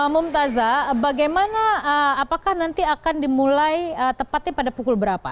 mumtaza bagaimana apakah nanti akan dimulai tepatnya pada pukul berapa